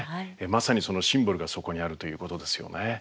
まさにそのシンボルがそこにあるということですよね。